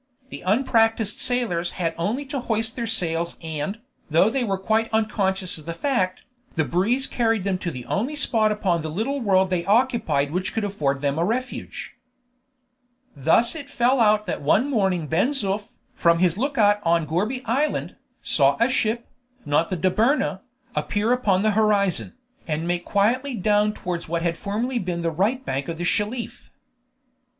The unpracticed sailors had only to hoist their sails and, though they were quite unconscious of the fact, the breeze carried them to the only spot upon the little world they occupied which could afford them a refuge. Thus it fell out that one morning Ben Zoof, from his lookout on Gourbi Island, saw a ship, not the Dobryna, appear upon the horizon, and make quietly down towards what had formerly been the right bank of the Shelif.